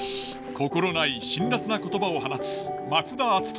心ない辛辣な言葉を放つ松田篤人。